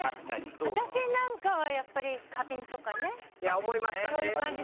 私なんかはやっぱり花瓶とかねそういう感じ。